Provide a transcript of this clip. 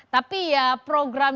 tapi ya program